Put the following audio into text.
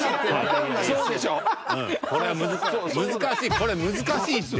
これは難しい。